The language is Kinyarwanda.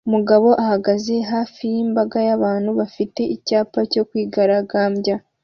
Umugabo ahagaze hafi y'imbaga y'abantu bafite icyapa cyo kwigaragambya